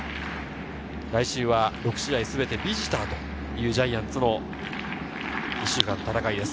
来週は６試合すべてビジターというジャイアンツの１週間の戦いです。